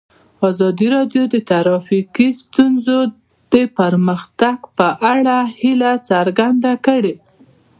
ازادي راډیو د ټرافیکي ستونزې د پرمختګ په اړه هیله څرګنده کړې.